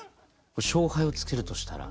勝敗をつけるとしたら？